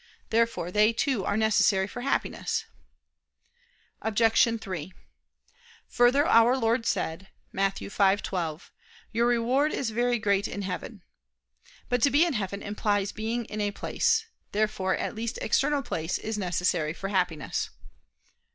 Therefore they too are necessary for Happiness. Obj. 3: Further, Our Lord said (Matt. 5:12): "Your reward is very great in heaven." But to be in heaven implies being in a place. Therefore at least external place is necessary for Happiness.